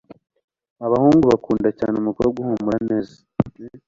abahungu bakunda cyane umukobwa uhumura neza,